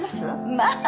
まあ。